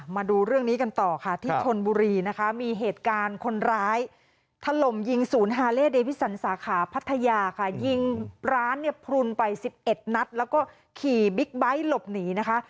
มาดูเรื่องนี้กันต่อค่ะที่ชนบุรีนะคะมีเหตุการณ์คนร้ายถล่มยิงศูนย์ฮาเล่เดวิสันสาขาพัทยาค่ะยิงร้านเนี่ยพลุนไป๑๑นัดแล้วก็ขี่บิ๊กไบท์หลบหนีนะคะ